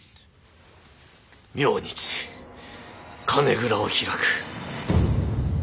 明日金蔵を開く。